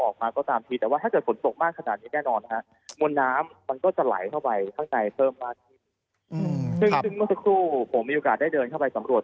ข้างในเพิ่มมาทีอืมครับซึ่งเมื่อสักครู่ผมมีโอกาสได้เดินเข้าไปสำรวจ